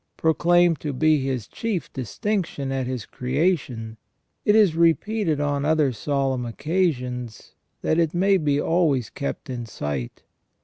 Proclaimed to be his chief distinction at his creation, it is repeated on other solemn occasions, that it may be always kept in sight.